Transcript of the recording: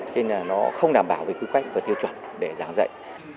nên là nó không đảm bảo về quy quách và thiêu chuẩn để giảng dạy